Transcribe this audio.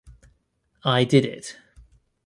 I did it.